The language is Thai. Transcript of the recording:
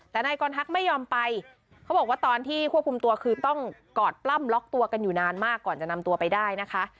แต่นายกรทักไม่ยอมไปเขาบอกว่าตอนที่ควบคุมตัวคือต้องกอดปล้ำล็อกตัวกันอยู่นานมากก่อนจะนำตัวไปได้นะคะ